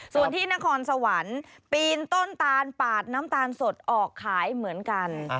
ส่วนที่นครสวรรค์ปีนต้นตาลปาดน้ำตาลสดออกขายเหมือนกัน